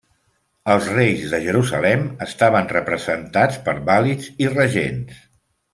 Els reis de Jerusalem estaven representats per vàlids i regents.